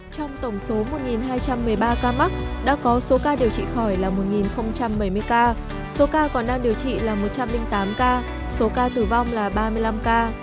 trong tổng số một hai trăm một mươi ba ca mắc đã có số ca điều trị khỏi là một bảy mươi ca số ca còn đang điều trị là một trăm linh tám ca số ca tử vong là ba mươi năm ca